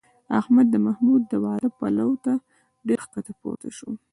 احمد د محمود د واده پلو ته ډېر ښکته پورته شو